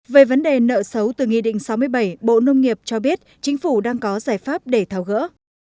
về vấn đề nợ xấu từ nghị định sáu mươi bảy bộ nông nghiệp cho biết chính phủ đang có giải pháp để thảo gỡ